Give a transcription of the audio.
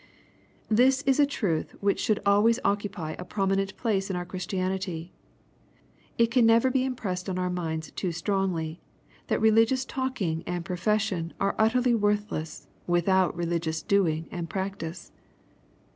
This is a truth which should always occupy a promi nent place in our Christianity. It can never'*be impressed on our minds too strongly, that religious talking and pro fession are utterly worthless, without religious doing and practice.